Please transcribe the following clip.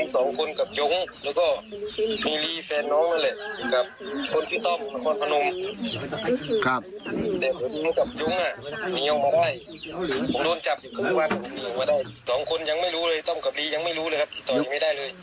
จนกรับดียังไม่รู้เลยครับติดต่อไม่ได้เลย